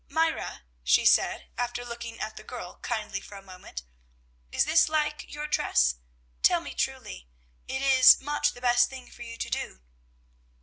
"Myra," she said, after looking at the girl kindly for a moment, "is this like your dress? Tell me truly; it is much the best thing for you to do."